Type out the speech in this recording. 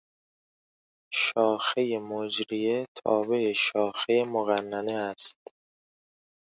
شاخهی مجریه تابع شاخهی مقننه است.